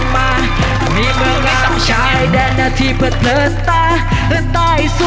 ไม่มีอาทิตย์